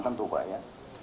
tentu pak ya